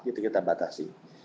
itu kita batasi